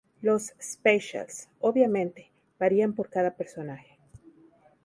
Los specials, obviamente, varían por cada personaje.